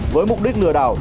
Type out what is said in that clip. với mục đích lừa đảo